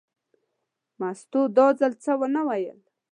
مستو دا ځل څه ونه ویل.